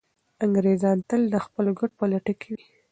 انګریزان تل د خپلو ګټو په لټه کي وي.